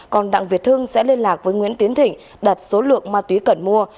còn đặng việt hưng sẽ liên lạc với nguyễn tiến thịnh đặt số lượng ma túy cần mua